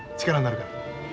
力になるから。